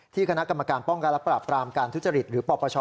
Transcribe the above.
ที่คณะกรรมศาลการป้องการับปราบพรามการและทุจริตหรือปอปช